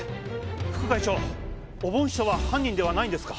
副会長おぼん師匠は犯人ではないんですか？